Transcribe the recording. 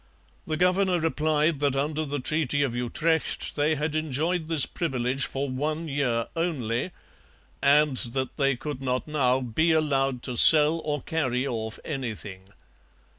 The governor replied that under the Treaty of Utrecht they had enjoyed this privilege for one year only, and that they could not now 'be allowed to sell or carry off anything.'